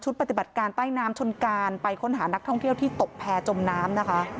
ปฏิบัติการใต้น้ำชนการไปค้นหานักท่องเที่ยวที่ตกแพร่จมน้ำนะคะ